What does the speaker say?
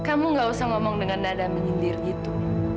kamu nggak usah ngomong dengan nada menyindir gitu